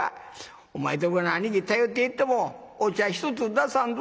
『お前とこの兄貴頼っていってもお茶一つ出さんぞ』